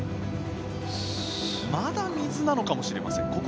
まだ水なのかもしれません。